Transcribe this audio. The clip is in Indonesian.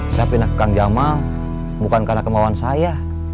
saya pindah ke kang jamal bukan karena kemauan saya